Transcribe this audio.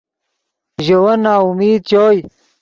ژے ون ناامید چوئے